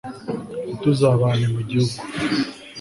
ntituzabane mu gihugu